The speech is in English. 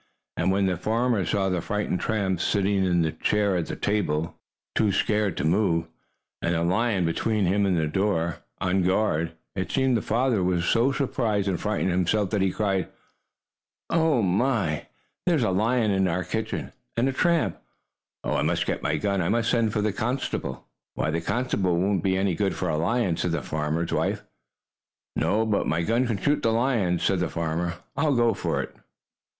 And when the farmer saw the frightened tramp sitting in the chair at the table, too scared to move, and the lion between him and the door, on guard, it seemed, the farmer was so surprised and frightened himself that he cried: "Oh my! There's a lion in our kitchen, and a tramp! Oh, I must get my gun! I must send for the constable!" "The constable won't be any good for a lion," said the farmer's wife. "No, but my gun can shoot the lion," said the farmer. "I'll go for it."